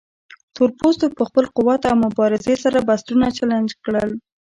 تورپوستو په خپل قوت او مبارزې سره بنسټونه چلنج کړل.